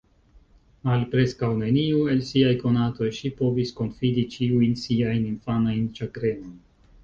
Al preskaŭ neniu el siaj konatoj ŝi povis konfidi ĉiujn siajn infanajn ĉagrenojn.